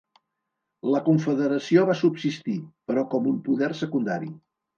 La confederació va subsistir, però com un poder secundari.